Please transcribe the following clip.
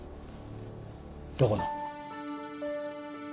どこの？